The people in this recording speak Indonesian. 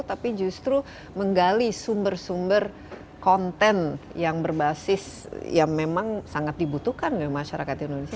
tapi justru menggali sumber sumber konten yang berbasis yang memang sangat dibutuhkan oleh masyarakat indonesia